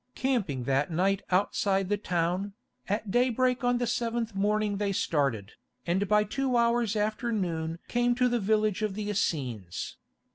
Camping that night outside the town, at daybreak on the seventh morning they started, and by two hours after noon came to the village of the Essenes.